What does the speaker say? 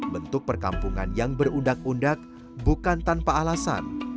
bentuk perkampungan yang berundak undak bukan tanpa alasan